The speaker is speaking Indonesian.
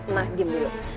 nah dim dulu